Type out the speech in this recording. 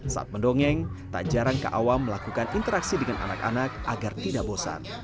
saat mendongeng tak jarang kaawam melakukan interaksi dengan anak anak agar tidak bosan